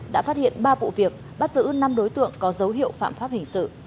đã phát hiện ba vụ việc bắt giữ năm đối tượng có dấu hiệu phạm pháp hình sự